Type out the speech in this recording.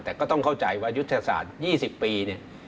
แต่ก็ต้องเข้าใจว่ายุทธศาสตร์๒๐ปีเนี่ย